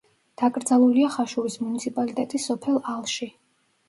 დაკრძალულია ხაშურის მუნიციპალიტეტის სოფელ ალში.